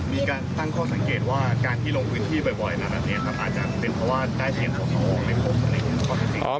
มีการตั้งข้อสังเกตว่าการที่ลงพื้นที่บ่อยนั้นอาจจะเป็นเพราะว่าได้เสียงของเขาออกในกรม